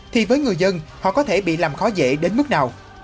thì với người dân họ có thể bị làm khó dễ đến mức nào